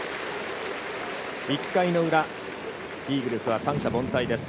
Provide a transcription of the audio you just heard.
１回の裏、イーグルスは三者凡退です。